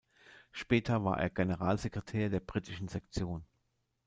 Später war er Generalsekretär der britischen Sektion.